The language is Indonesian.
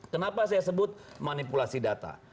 kenapa saya sebut manipulasi data